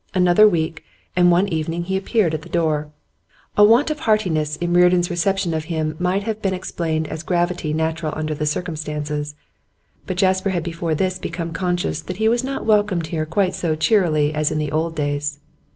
Another week, and one evening he appeared at the door. A want of heartiness in Reardon's reception of him might have been explained as gravity natural under the circumstances. But Jasper had before this become conscious that he was not welcomed here quite so cheerily as in the old days.